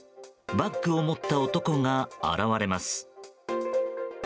バッグを持った男が現れます。